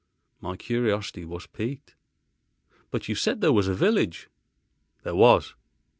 My curiosity was piqued, "But you said there was a village." "There was."